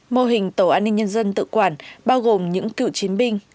mô hình tổ an ninh nhân dân tự quản bao gồm những cựu chiến binh